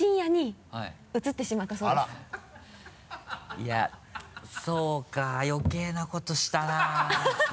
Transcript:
いやそうか余計なことしたな。